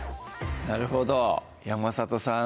なるほど山里さん